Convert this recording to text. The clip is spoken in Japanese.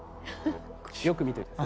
よく見といてください。